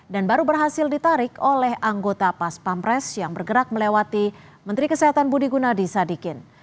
dan baru berhasil ditarik oleh anggota pas pampres yang bergerak melewati menteri kesehatan budi guna di sadikin